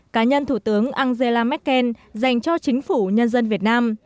cá nhân thủ tướng angela merkel dành cho chính phủ nhân dân việt nam